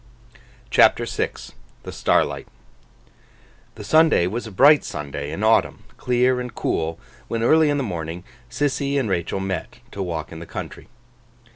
CHAPTER VI THE STARLIGHT THE Sunday was a bright Sunday in autumn, clear and cool, when early in the morning Sissy and Rachael met, to walk in the country.